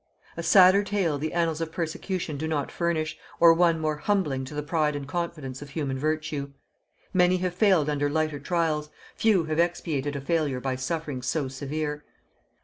A sadder tale the annals of persecution do not furnish, or one more humbling to the pride and confidence of human virtue. Many have failed under lighter trials; few have expiated a failure by sufferings so severe.